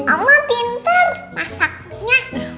oma pinter masaknya